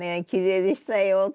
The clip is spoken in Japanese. きれいでしたよ